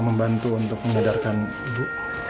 membantu untuk mengedarkan ibu